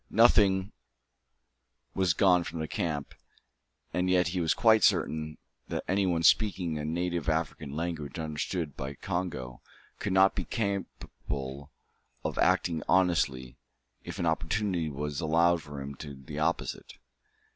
Nothing was gone from the camp; and yet he was quite certain that any one speaking a native African language understood by Congo, could not be capable of acting honestly if an opportunity was allowed him for the opposite.